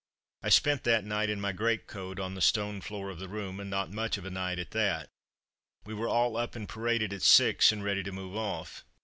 I spent that night in my greatcoat on the stone floor of the room, and not much of a night at that. We were all up and paraded at six, and ready to move off.